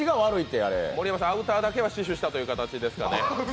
盛山さん、アウターだけは死守したわけですね。